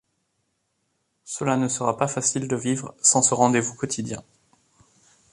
Cela ne sera pas facile de vivre sans ce rendez-vous quotidien.